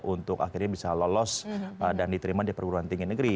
untuk akhirnya bisa lolos dan diterima di perguruan tinggi negeri